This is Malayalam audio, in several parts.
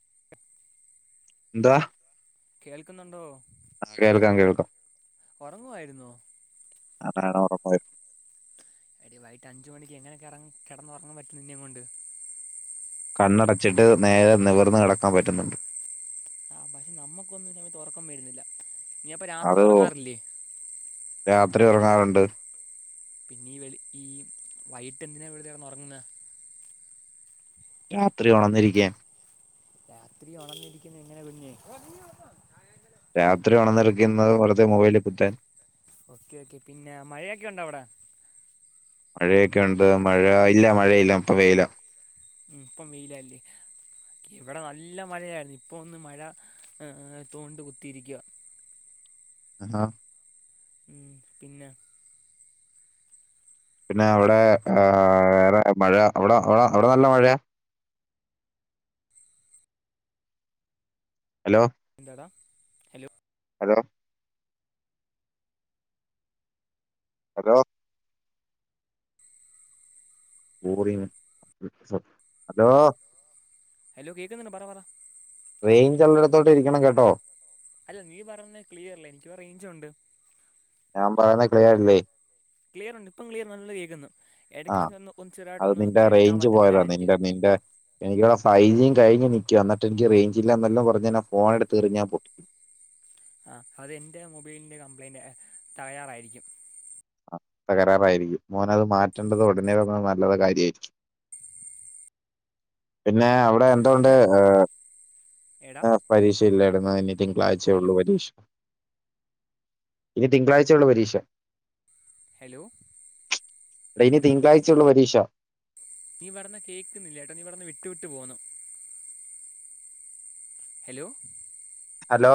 [inaudible] എന്തുവാ? കേൾക്കുന്നുണ്ടോ? കേൾക്കാം കേൾക്കാം ഒറങ്ങുവായിരുന്നോ? ആ പറയടാ ഒറക്കായിരുന്നു എടി വൈകിട്ട് അഞ്ച് മണിക്ക് എങ്ങനെ കെറ കെടന്നുറങ്ങാൻ പറ്റുന്നു നിന്നേം കൊണ്ട് കണ്ണടച്ചിട്ട് നേരെ നിവർന്ന് കിടക്കാൻ പറ്റുന്നുണ്ട് ആഹ് പക്ഷെ നമ്മുക്കൊന്നും ഈ സമയത്ത് ഒറക്കം വരുന്നില്ല നീ അപ്പ രാത്രി അത് ഒറങ്ങാറില്ലേ രാത്രി ഒറങ്ങാറുണ്ട് പിന്നെ ഈ വെളി ഈ വൈകിട്ട് എന്തിനാ വെറുതെ കിടന്ന് ഒറങ്ങുന്നേ രാത്രി ഒണന്നിരിക്കാൻ രാത്രി ഒണന്നിരിക്കുന്ന എങ്ങനാ പിന്നേ രാത്രി ഒണന്നിക്കുന്നത് വെറുതെ മൊബൈലിൽ കുത്താൻ ഓക്കെ ഓക്കെ പിന്നെ മഴയൊക്കെ ഉണ്ടോ അവിടെ? മഴയൊക്കെയുണ്ട് മഴ ഇല്ല മഴയില്ല ഇപ്പൊ വെയിലാ ഉം ഇപ്പം വെയിലാല്ലേ ഇവിടെ നല്ല മഴയായിരുന്നു ഇപ്പൊ ഒന്ന് മഴ ഏ തോർന്നിട്ട് കുത്തിയിരിക്കുവാ ആഹ് ഉം പിന്നെ പിന്നെ അവിടെ വേറെ മഴ അവിടെ അവിടെ നല്ല മഴയ. ഹലോ എന്താടാ. Hello hello. ഹലോ [unintelligible] ആഹ് ഹലോ കേക്കുന്നുണ്ട് പറ പറ റേയ്ഞ്ചുള്ളോട്ത്തോട്ട് ഇരിക്കണം കേട്ടോ അല്ല നീ പറയുന്നത് ക്ലിയർല്ല എനിക്ക്പ്പ റെയ്ഞ്ചുണ്ട് ഞാൻ പറയ്ന്ന ക്ലിയറില്ലേ ക്ലിയറുണ്ട് ഇപ്പം ക്ലിയർ നല്ലത് കേക്കുന്നു ആ എടക്ക് ഒന്ന് അത് ചെറ്തായിട്ടൊന്ന് നിന്റെ കേൾക്കാൻ റേഞ്ച് പറ്റുന്നില്ലാ പോയതാ എനിക്ക് നിന്റെ നിന്റെ എനിക്കിവിടെ ഫൈവ് ജിം കഴിഞ്ഞ് നിക്ക എന്നിട്ടെനിക്ക് റെയ്ഞ്ചില്ല ന്നെന്ന് പർഞ് ഞാൻ ഫോണ് ട്ത്ത് എറിഞ്ഞാ പൊ ആഹ് അത് എന്റെ മൊബൈലിന്റെ കംപ്ലൈയിന്റ് തകരാറായിരിക്കും ആഹ് തകരാറായിരിക്കും മോനത് മാറ്റണ്ടത് ഒടനെ പറഞ്ഞത് നല്ല കാര്യായിരിക്കും പിന്നെ അവടെ എന്തുണ്ട് ഇന്ന് ഏഹ് എടാ ആഹ് പരീക്ഷല്ലായിരുന്നു ഇനി തിങ്കളാഴ്ചേ ഉള്ളൂ ഹലോ പരീക്ഷ ഇനി തിങ്കളഴ്ച്ചുള്ളു പരീക്ഷ ഹലോ എനി തിങ്കളാഴ്ച്ചൊള്ളു പരീക്ഷ നീ പർയ്ന്ന കേക്കുന്നില്ലട്ടോ നീ പറയ്ന്ന വിട്ടു വിട്ട് പോന്നു ഹലോ ഹലോ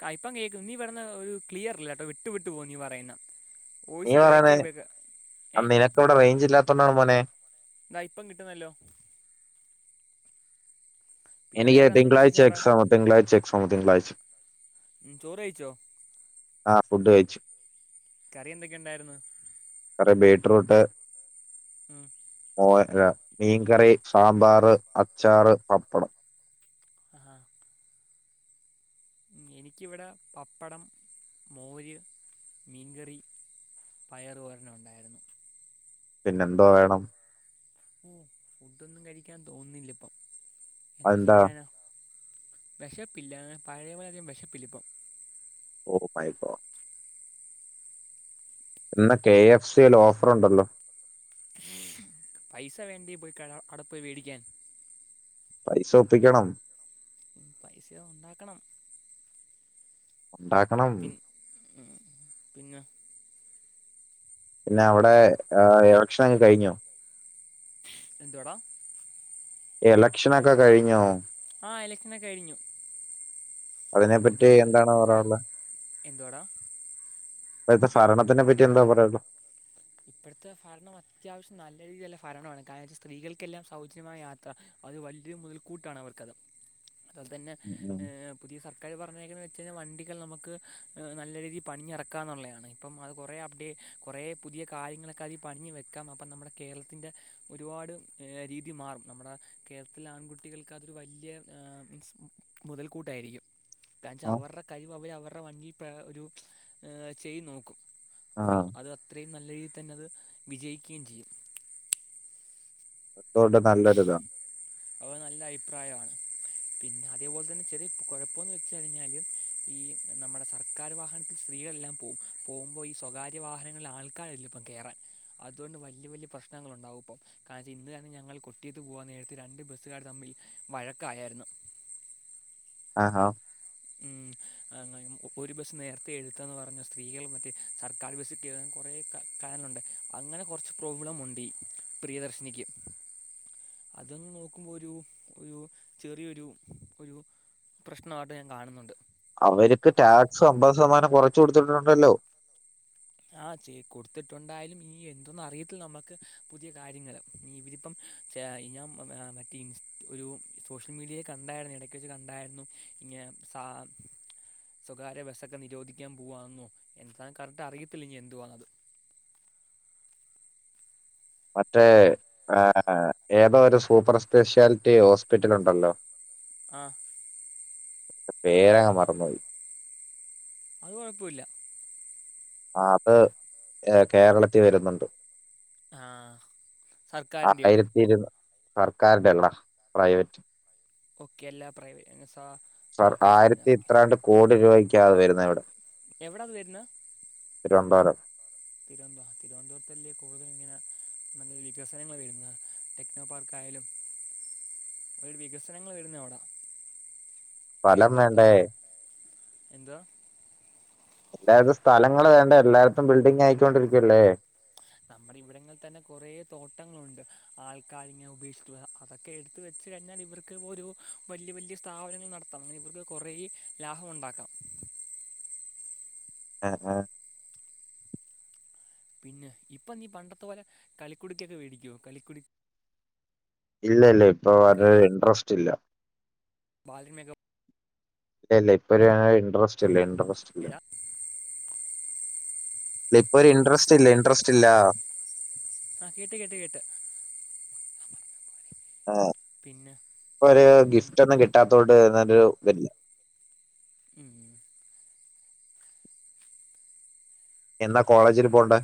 കഇപ്പം കേക്കും നീ പറയ്ന്ന ഒരു ക്ലിയർല്ല ട്ടോ വിട്ടു വിട്ടു പോം നീ പറയുന്നെ വോയ്സ് ബ്രേക്കാബക ഏഹ് പ്പവടെ റെയ്ഞ്ച് ഇല്ലാത്തോണ്ടാണ് മോനേ താ ഇപ്പം കിട്ടുന്നല്ലോ പിന്നെ എനിക്ക് വേറെ എന്താണ് തിളാഴ്ച വിശേഷം അവിടെ എക്സാം തിങ്കളാഴ്ച എക്സാം തിങ്കളാഴ്ച ഉം ചോറ് കഴിച്ചോ ആഹ് ഫുഡ് കഴിച്ചു കറി എന്തൊക്കെണ്ടായിരുന്നു കറി ബീറ്റ്റൂട്ട് ഉം ഓ അല്ല മീൻകറി, സാമ്പാറ്, അച്ചാറ്, പപ്പടം ആഹാ എനിക്കിവടെ പപ്പടം, മോര്, മീൻകറി പയറോരനൊണ്ടായിരുന്നു പിന്നെന്തോ വേണം ഓഹ് ഫുഡൊന്നും കഴിക്കാൻ തോന്നില്ലപ്പം എന്തോ അതെന്താ ചെയ്യാനാ വെശപ്പില്ല പഴേ പോലയധികം വെശപ്പില്ലിപ്പം ഓഹ് മൈ ഗോഡ് ഇന്ന് കെ എഫ് സില് ഓഫറുണ്ടല്ലോ [inaudible] പൈസ വേണ്ടേ പോയി ക അടപ്പോയി വേടിക്കാൻ പൈസ ഒപ്പിക്കണം ഉം പൈസ ഉണ്ടാക്കണം ഉണ്ടാക്കണം ഉം പിന്നെ പിന്നെ അവടെ എലക്ഷനൊക്കെ കഴിഞ്ഞോ എന്തുവാടാ എലക്ഷനൊക്കെ കഴിഞ്ഞോ? ആഹ് എലക്ഷനൊക്കെ കഴിഞ്ഞു അതിനെപ്പറ്റി പുതിയ എന്താണ് പറയാനുള്ളത് എന്തുവാടാ ഇപ്പോഴത്തെ ഫരണത്തെ പറ്റി എന്താ പറയാള്ളെ ഇപ്പോഴത്തെ ഭരണം അത്യാവശ്യം നല്ല രീതിയിലുള്ള ഭരണമാണ്. കാരണം സ്ത്രീകൾക്കെല്ലാം സൗജന്യമായ യാത്ര അത് വല്യ മുതൽ കൂട്ടാണ് അവർക്കത് അതന്നെ ഉം ഉം. പുതിയ സർക്കാർ പറഞ്ഞേക്കെന്ന് വെച്ച് കഴിഞ്ഞാ വണ്ടികൾ നമുക്ക് നല്ല രീതിൽ പണിഞ്ഞിറക്കാം ന്നുള്ളയാ ണ്. പ്പം അത് കൊറേ അപ്ഡേ കൊറേ പുതിയ കാര്യങ്ങളൊക്കെ അതിൽ പണിഞ്ഞു വെക്കാം. അപ്പം നമ്മുടെ കേരളത്തിന്റെ ഒരുപാട് രീതി മാറും നമ്മുടെ കേരളത്തിലെ ആൺകുട്ടികൾക്ക് അതൊരു വല്യ മീൻസ് മുതൽക്കൂട്ടായിരിക്കും. ന്താച്ചാ ആ അവറെ കഴിവ് അവര് അവറെ വണ്ടി പ്ര ഒരു ചെയ് നോക്കും. ആ അപ്പം അത് അത്രയും നല്ല രീതി തന്നെ അത് വിജയിക്കുകയും ചെയ്യും. ത്തോടെ നല്ലരുതാ അവ നല്ല അയ്പ്രായാണ്. പിന്നെ അതേപോലെ തന്നെ ചെറിയ കൊഴപ്പംന്ന് വെച്ച് കഴിഞ്ഞാല് ഈ നമ്മുടെ സർക്കാർ വാഹനത്തിൽ സ്ത്രീകളെല്ലാം പോ പോകുമ്പൊ ഈ സ്വകാര്യ വാഹനങ്ങളിൽ ആൾക്കാരില്ല ഇപ്പം കേറാൻ അതുകൊണ്ട് വല്യ വല്യ പ്രശ്നങ്ങളുണ്ടാവും ഇപ്പം കാര്യം ഇന്നാണ് ഞങ്ങൾ കൊട്ടിയത്ത് പോകാൻ നേര്ത്ത് രണ്ട് ബസ്സുകാർ തമ്മിൽ വഴക്കായായര്ന്ന് ആഹ് ഹോ ഉം അങ്ങനെ ഒരു ബസ്സ് നേര്ത്തെ എടുത്തെന്ന് പറഞ്ഞു സ്ത്രീകൾ മറ്റേ സർക്കാര് ബസ്സി കേറാൻ കൊറേ കാര്ണുണ്ട് അങ്ങനെ കൊർച്ച് പ്രോബ്ലമുണ്ടീ പ്രിയദർശിനിക്ക് അതങ്ങ് നോക്കുമ്പൊ ഒരു ഒരു ചെറിയൊരു ഒരു പ്രശ്നാട്ട് ഞാൻ കാണുന്നുണ്ട്. അവര്ക്ക് അപ്പം ടാക്സ് അമ്പത് ശതമാനം കൊറച്ച് കൊടുത്തിട്ടുണ്ടല്ലോ. ആഹ് ചെ കൊടുത്തിട്ടുണ്ടായാലും ഈ എന്തോന്ന് അറിയത്തില്ല നമുക്ക് പുതിയ കാര്യങ്ങള് ഇഞ്ഞീ ഇവരിപ്പം ച ഞാൻ മറ്റേ ഇൻസ് ഒരു സോഷ്യൽ മീഡിയയിൽ കണ്ടായിരുന്നു എടയ്ക്ക് വെച്ച് കണ്ടായിരുന്നു. ഇങ്ങനെ സാ സ്വകാര്യ ബസ്സൊക്കെ നിരോധിക്കാൻ പോവാന്നോ എന്താണ് കറക്റ്റ് അറിയത്തില്ല ഇനി എന്തുവാന്നത് മറ്റേ ഏതോ ഒരു സൂപ്പർ സ്പെഷ്യാലിറ്റി ഹോസ്പിറ്റൽ ഉണ്ടല്ലോ ആഹ് പേരങ്ങ് മറന്നു പോയി. അത് കൊഴപ്പല്ല ആഹ് അത് ഏഹ് കേരളത്തി വരുന്നുണ്ട് ആഹ് ആയിരത്തി ഇര്ന്നൂ സർക്കാരിന്റെല്ലടാ പ്രൈവറ്റ് ഓക്കെ അല്ല പ്രൈവസാ സർ ആക്കെ ചെയ്യുന്ന ആയിരത്തി ഓക്കെ ഇത്രാണ്ട് കോടി രൂവയ്ക്കാ വരുന്നെ അവിടെ എവിടാ ത് വര്ന്ന തിരുവൻന്തോരം തിരോന്ത തിരുവൻന്തപുരത്തല്ലേ കൂടുതല് ഇങ്ങനെ നല്ല വികസനങ്ങൾ വരുന്നത് ടെക്നോ പാർക്ക് ആയാലും [unintelligible] ഒരു വികസനങ്ങൾ വരുന്ന അവ്ടാ സ്ഥലം തിരുവനന്തപുരത്ത് വേണ്ടേ ആണ് എന്താ അതായത് സ്ഥലങ്ങള് വേണ്ടേ. എല്ലായിടത്തും ബിൽഡിങ്ങ് ആയിക്കൊണ്ടിരിക്കുവല്ലേ നമ്മുടെ ഇവിടങ്ങളിൽ തന്നെ കൊറേ തോട്ടങ്ങളുണ്ട്. ആൾക്കാരിങ്ങനെ ഉപേക്ഷിട്ട് പോയാ അതൊ ഒക്കെ എടുത്ത് വെച്ച് കഴിഞ്ഞാൽ ഇവർക്ക് ഇ ഒരു വലിയ വല്യ സ്ഥാപനങ്ങൾ നടത്താം ഇവർക്ക് കുറെ- ലാഭമുണ്ടാക്കാം ആഹ് ആഹ് പിന്നെ ഇപ്പൊ നീ പണ്ടത്തെ പോലെ കളിക്കുടിക്കൊക്കെ മേടിക്കോ കളിക്കുടിക്ക് ഇല്ല ഇല്ല ഇപ്പൊ വരു ഇൻട്രസ്റ്റ് ഇല്ല ബാലരമ യൊക്കെ ഇല്ല ഇല്ല ഇപ്പൊ ഒരു ഇന്ട്രസ്റ്റ് ഇല്ല ഇൻട്രസ്റ്റ് ഇല്ല എടാ ഇപ്പൊ ഒരു ഇൻറസ്റ്റ് ഇല്ല ഇൻട്രസ്റ്റ് ഇല്ല ആഹ് കേട്ട് കേട്ട് കേട്ട് ആ പിന്നെ പ്പോ ഒരു ഉം, ഗിഫ്റ്റ് ഒന്നും കിട്ടാത്തോണ്ട് എന്നരു ഇല്ല ഉം എന്നാ പിന്നെ കോളേജിൽ അങ്ങനെ പോണ്ടേ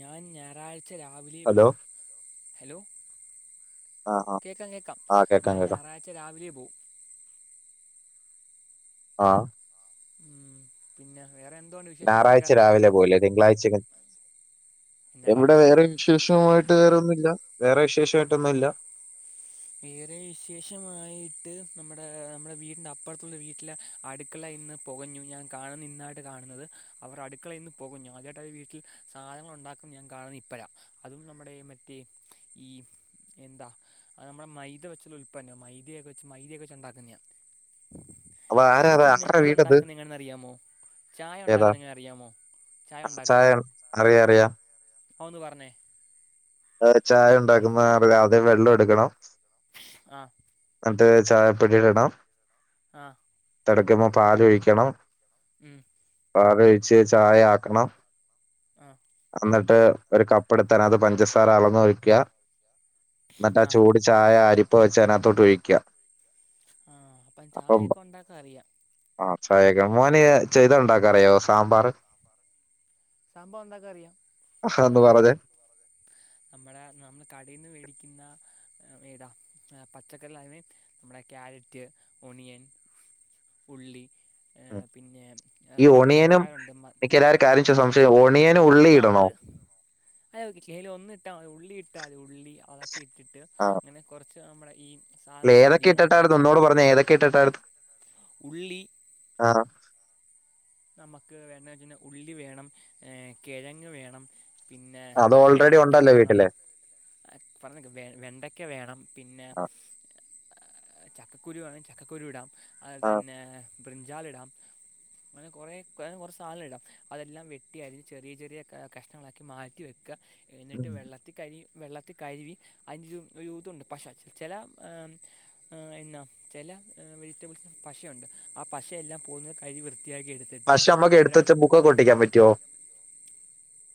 ഞാൻ ഞായറാഴ്ച രാവിലെ ഹലോ പോവും ഹലോ ആഹ് ആഹ് കേൾക്കാം കേൾക്കാം ആഹ് കേക്കാം ഞാൻ കേക്കാം ഞായറാഴ്ച രാവിലെ പോവും ആഹ് ആഹ് പിന്നെ വേറെ എന്തോ ണ്ട് വിശേഷം അവിടെക്കെ ഞായറാഴ്ച എന്നാടാ എവിടെ വേറെ വിശേഷമായിട്ട് വേറെ ഒന്നുല്ല വേറെ വിശേഷമായിട്ടൊന്നുംല്ല ഏറെ വിശേഷമായിട്ട് നമ്മുടെ നമ്മുടെ വീടിന്റെ അപ്പുറത്തുള്ള വീട്ടിലെ അടുക്കള ഇന്ന് പുകഞ്ഞു ഞാൻ കാണുന്ന ഇന്നായിട്ട് കാണുന്നത് അവരു അടുക്കളയിൽന്ന് പുകഞ്ഞു ആദ്യമായിട്ട് അവർ വീട്ടിൽ സാധനങ്ങൾ ഉണ്ടാക്കി ഞാൻ കാണുന്ന ഇപ്പഴ അതും നമ്മുടെ മറ്റേ ഈ എന്താ അത് നമ്മുടെ മൈദ വെച്ചുള്ള ഉൽപ്പന്നമാണ് മൈദയൊക്കെ വെച്ച് മൈദയൊക്കെ വെച്ച് ഉണ്ടാക്കുന്നതാണ് അപ്പൊ ആരാ അത്? നിനക്ക് മുന്നെ ആരുടെ ഇത് വീടത് ഉണ്ടാക്കുന്ന എങ്ങനാ ന്ന് അറിയാമോ ചായ ഏതാ ഉണ്ടാക്കുന്ന എങ്ങനെ അറിയാമോ ചായ ഉണ്ടാക്കുന്ന അറിയാം അറിയാം ഒ ന്ന് പറഞ്ഞേ ചായ ഉണ്ടാക്കുന്ന ആദ്യം വെള്ളം എടുക്കണം ആഹ് ന്നിട്ട് ചായപ്പൊടിടണം ആഹ് തിളക്കുമ്പോൾ പാല് ഒഴിക്കണം ഉം പാലൊഴിച് ചായ ആക്കണം ആഹ് എന്നിട്ട് ഒരു കപ്പ എടുത്താൻ അത് പഞ്ചസാര അളന്നൊഴിക്കുക എന്നിട്ട് ആ ചൂടി ചായ അരിപ്പ വെച്ച അയ്നകത്തോട്ട് ഒഴിക്ക ആഹ് അപ്പം ചായ ഒക്കെ ഉണ്ടാക്കാൻ അറിയാം ആഹ് ചായക്കെ മോന ചെയ്ത ഉണ്ടാക്ക അറിയോ സാമ്പാർ സംഭവ എന്താക്ക അറിയാം അഹ ഒന്ന് പറഞ്ഞെ നമ്മളെ നമ്മൾ കടയിൽന്ന് മേടിക്കുന്ന ഏതാ പച്ചക്കറി അതിന് നമ്മുടെ ക്യാരറ്റ് ഓണിയൻ ഉള്ളി പിന്നെ ഈ പലതരം ഒണിയനും കായുണ്ട് എനിക്ക് എല്ലാവരും കാര്യം ചോ- ആഹ് സംശയം ഒണിയനും ഉള്ളി ആഹ് ഇടണോ അത് അതക്ക കേല ഒന്നിട്ടാ ഉള്ളി ഇട്ടാ അതി ഉള്ളി അതൊക്കെ ഇട്ടിട്ട് ആ അങ്ങനെ കുറച്ച് നമ്മളെ ഈ സാധനമെല്ലാം ഏതൊക്കെ അരിയണം എന്ന് ഇട്ടട്ടാർന്ന് വെച്ചാൽ ഒന്നുടെ പറഞ്ഞ ഏതൊക്കെ ഇട്ട്ട്ടാർന്ന് ഉള്ളി ആഹ് നമുക്ക് വേണ്ടത്എന്താന്ന് വെച്ചുകഴിഞ്ഞ ഉള്ളി വേണം കിഴങ്ങ് വേണം പിന്നെ അത് ഓൾറെഡി വെണ്ടക്കാ ഉണ്ടല്ലോ വേണം വീട്ടില് പറയുന്ന കേക്ക് വെണ്ടക്ക വേണം പിന്നെ ആ ചക്കക്കു രു വേണേൽ ചക്കക്കുരു ഇടാം അതുപോലെ ആ. തന്നെ ബ്രിഞ്ചാൽ ഇടാം അങ്ങനെ കുറെ കുറേ സാധനങ്ങൾ ഇടാം അതെല്ലാം വെട്ടി അരിഞ്ഞു യി ചെറിയ ചെറിയ കഷ്ണങ്ങളാക്കി മാറ്റി വെക്കുക എന്നിട്ട് ഉം. വെള്ളത്തിൽ കഴുകി വെള്ളത്തിൽ കഴിവി അഞ്ച്ഇത് ഉണ്ട്പശ ചില എന്നചില വെജിറ്റബിൾസ് പശയുണ്ട് ആ പശയെല്ലാം പോകുന്നത് കഴ്കി വൃത്തിയാക്കി എടുത് പശ നമ്മുക്ക് എടുത്തുവെച്ച ബുക്കൊക്കെ ഒട്ടിക്കാൻ പറ്റുവോ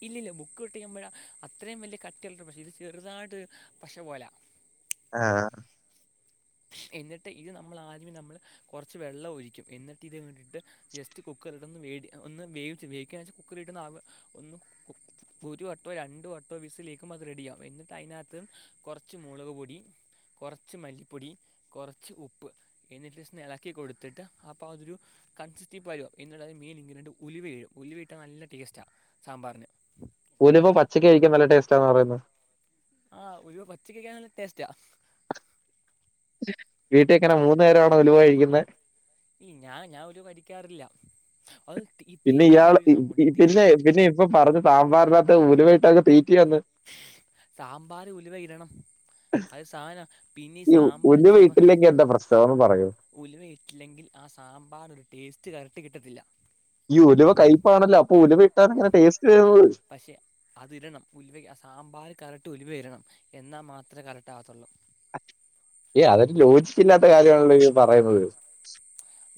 ഇല്ല ഇല്ല ബുക്ക് ഒ ട്ടിക്കുമ്പോഴ അത്രയും വലിയ കട്ടിയല്ലരു പശ ഇത് ചെറുതായിട്ട് പശ പോലെ ആണോ എന്നിട്ട് ഇത് നമ്മൾ ആദ്യമേ നമ്മൾ കുറച്ച് വെള്ളം ഒഴിക്കും എന്നിട്ട് ഇത് വേണ്ടിയിട്ട് ജസ്റ്റ് കുക്കറിട്ടന്ന് വേ ഒന്ന് വേവിച്ച വേവിക്ക വെച്ച കുക്കർ ഇട്ടന്ന് ഒന്ന് ഒരു വട്ടോ രണ്ടു വട്ടോ വിസിലേക്കുമ്പോ അത് റെഡിയാകും എന്നിട്ട് അതിനകത്ത് കുറച്ച് മുളക് പൊടി കുറച്ച് മല്ലിപ്പൊടി കുറച്ച് ഉപ്പ് എനിട്ട് ഇളക്കി കൊടുത്തിട്ട് അപ്പ അതൊരു കൺസിസ്റ്റീവ് പരുവം എന്നുള്ളത് മെയിൻ ഇന്ഗ്രെഡീന്റ് ഉലുവ് ഇടും ഉലുവ ഇട്ടാൽ നല്ല ടേസ്റ്റാണ് സാമ്പാറിന്. ഉലുവ പച്ചക്ക് കഴിക്കാൻ നല്ല ടേസ്റ്റാന്ന് പറയുന്നു. ആഹ ഉലുവ പച്ചക്ക് കഴിക്കാൻ നല്ല ടേസ്റ്റ വീട്ടിൽഎങ്ങനെ മൂന്നു നേരമാണോ ഉലുവ കഴിക്കുന്നത് ഈ ഞാൻ ഞാൻ ഉലുവ കഴിക്കാറില്ല അത് ഈ പിന്നെ തേൻ ഇയാൾ ഉലുവ ഒരു സംഭവം ഉണ്ട് പിന്നെ തേൻ പിന്നെ ഇപ്പൊ പറഞ്ഞു സാമ്പാറിനകത്ത് ഉലുവയിട്ടങ്ങ് തീറ്റിയാന്ന് സാമ്പാറിൽ ഉലുവ ഇടണം അത് സാധനം പിന്നീ സാമ്പാർ ചെലപ്പോ ഫസ്റ്റ് അതൊന്ന് പറയോ ഉലുവയിട്ടില്ലെങ്കിൽ ആ സാമ്പാർ ഒരു ടേസ്റ്റ് കറക്റ്റ് കിട്ടത്തില്ല. ഈ ഉലുവ കയ്പ്പാണല്ലോ അപ്പോ ഉലുവ ഇട്ടാൽ എങ്ങനെ ടേസ്റ്റ് വരുന്നത് പക്ഷേ അതിടണം ഉലുവ ആ സാമ്പാർ കറക്റ്റ് ഉലുവ ഇടണം എന്നാൽ മാത്രമേ കറക്റ്റ് ആകത്തുള്ളൂ. ഏ അതൊരു ലോജിക്ക് ഇല്ലാത്ത കാര്യമാണല്ലോ ഈ പറയുന്നത്.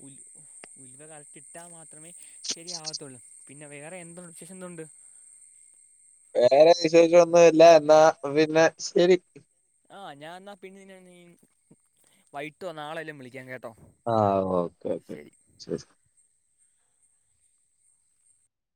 ഉൽ ഉൽവ കറക്റ്റ് ഇട്ടാൽ മാത്രമേ ശരിയാവത്തുള്ളു. പിന്നെ വേറെ എന്ത്‌ വിശേഷം എന്തുണ്ട് വേറെ വിശേഷം ഒന്നും ഇല്ല എന്നാ പിന്നെ ശരി ആഹ് ഞാൻ എന്നാൽ പിന്നെ നിന്നെ വൈകിട്ടോ നാളെ വല്ലോം വിളിക്കാം കേട്ടോ. ആഹ ഓക്കേ ഓക്കേ ശരി ശരി.